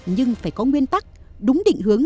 nhưng phải có nguyên tắc đúng định hướng